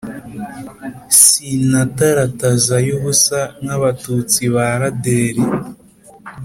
Sinatarataza ay'ubusa nk'abatutsi ba Raderi.